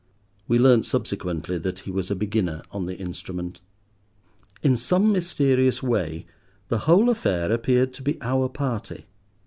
We learnt subsequently that he was a beginner on the instrument. In some mysterious way the whole affair appeared to be our party.